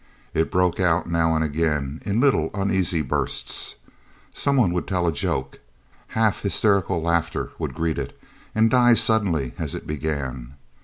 It broke out now and again in little uneasy bursts. Someone would tell a joke. Half hysterical laughter would greet it, and die suddenly, as it began.